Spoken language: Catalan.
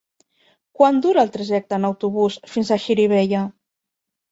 Quant dura el trajecte en autobús fins a Xirivella?